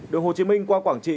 đường hồ chí minh qua quảng trị